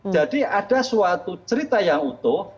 ada suatu cerita yang utuh